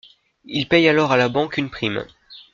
Il paie alors à la banque une prime.